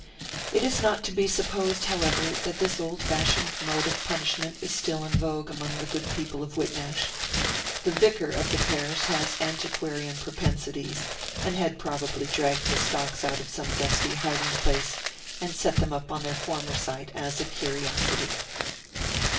It is not to be supposed, however, that this old fashioned mode of punishment is still in vogue among the good people of Whitnash. The vicar of the parish has antiquarian propensities, and had probably dragged the stocks out of some dusty hiding place, and set them up on their former site as a curiosity.